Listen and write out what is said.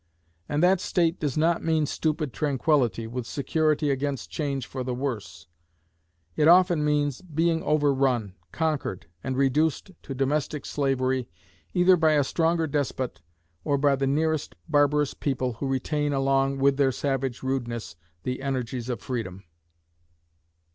And that state does not mean stupid tranquillity, with security against change for the worse; it often means being overrun, conquered, and reduced to domestic slavery either by a stronger despot, or by the nearest barbarous people who retain along with their savage rudeness the energies of freedom.